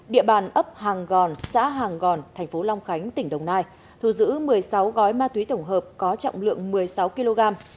địa bàn ấp hàng gòn xã hàng gòn thành phố long khánh tỉnh đồng nai thu giữ một mươi sáu gói ma túy tổng hợp có trọng lượng một mươi sáu kg